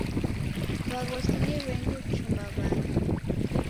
W'aghosi ni w'engi kuchumba w'ana.